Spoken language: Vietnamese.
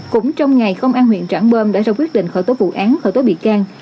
cũng trong ngày công an huyện trảng bơm đã ra quyết định khởi tố vụ án khởi tố bị can